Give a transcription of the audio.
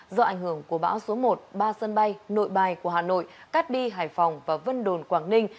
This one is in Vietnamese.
do ảnh hưởng của bão số một ba sân bay nội bài của hà nội cát bi hải phòng và vân đồn quảng ninh